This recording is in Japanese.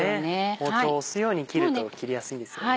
包丁を押すように切ると切りやすいですよね。